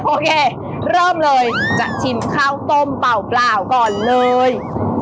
โอเคเริ่มเลยจะชิมข้าวต้มเปล่าก่อนเลย